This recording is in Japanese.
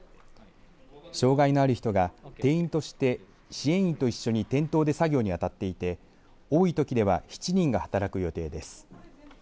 障害のある人が店員として支援員と一緒に店頭で作業に当たっていて多いときでは７人が働く予定です。